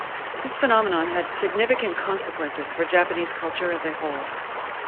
This phenomenon had significant consequences for Japanese culture as a whole.